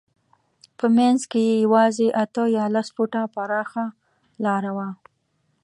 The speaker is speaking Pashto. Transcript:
په منځ کې یې یوازې اته یا لس فوټه پراخه لاره وه.